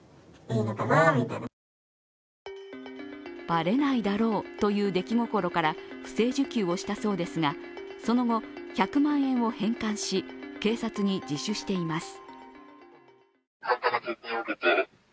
ばれないだろうという出来心から不正受給をしたそうですがその後、１００万円を返還し警察に自首しています。